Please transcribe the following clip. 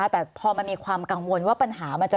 แต่พอมันมีความกังวลว่าปัญหามันจะ